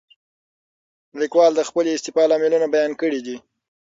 لیکوال د خپلې استعفا لاملونه بیان کړي دي.